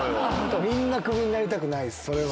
みんなクビになりたくないです、それは。